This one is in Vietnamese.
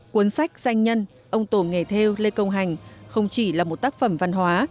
cuốn sách danh nhân ông tổ nghề theo lê công hành không chỉ là một tác phẩm văn hóa